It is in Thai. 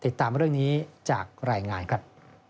ติดตามเรื่องนี้จากรายงานครับ